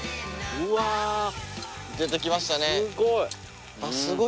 すごい！出てきましたね。